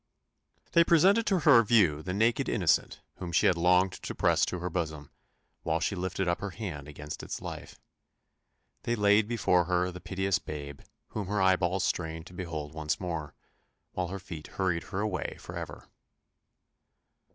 They presented to her view the naked innocent whom she had longed to press to her bosom, while she lifted up her hand against its life. They laid before her the piteous babe whom her eyeballs strained to behold once more, while her feet hurried her away for ever.